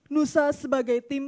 nusa sebagai tim